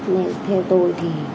nên theo tôi thì